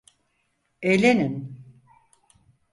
Eğlenin!